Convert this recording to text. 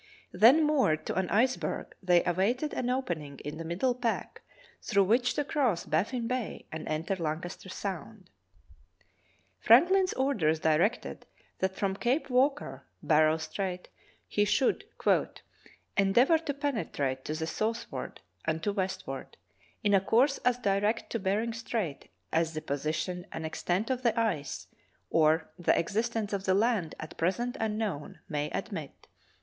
Then moored to an iceberg, they awaited an opening in the middle pack through which to cross Baffin Bay and enter Lancaster Sound. The Northwest Passage 6i Franklin's orders directed that from Cape Walker, Barrow Strait, he should "endeavor to penetrate to the southward and to the westward, in a course as direct to Bering Strait as the position and extent of the ice, or the existence of the land at present unknown, may admit."